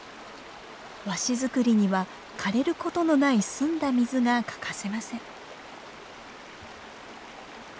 和紙作りにはかれることのない澄んだ水が欠かせません。